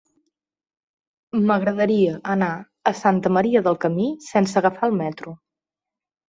M'agradaria anar a Santa Maria del Camí sense agafar el metro.